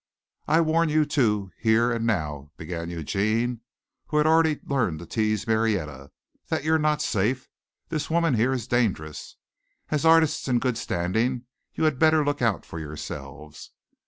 "I warn you two, here and now," began Eugene, who had already learned to tease Marietta, "that you're not safe. This woman here is dangerous. As artists in good standing you had better look out for yourselves."